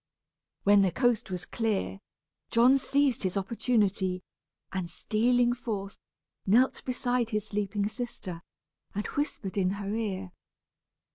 When the coast was clear, John seized his opportunity, and stealing forth, knelt beside his sleeping sister, and whispered in her ear.